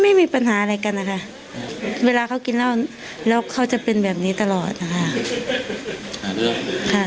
ไม่มีปัญหาอะไรกันนะคะเวลาเขากินเหล้าแล้วเขาจะเป็นแบบนี้ตลอดนะคะ